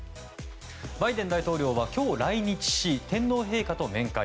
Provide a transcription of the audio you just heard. バイデン大統領は今日来日し天皇陛下と面会。